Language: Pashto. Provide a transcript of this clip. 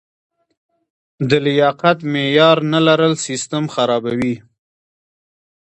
د لیاقت معیار نه لرل سیستم خرابوي.